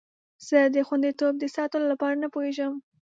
زه د خوندیتوب د ساتلو لپاره نه پوهیږم.